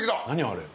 あれ。